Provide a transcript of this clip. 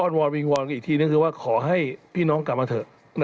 ออนวอลวิงวอลอีกทีก็คือว่าขอให้พี่น้องกลับมาเถอะนะครับ